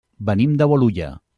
Venim de Bolulla.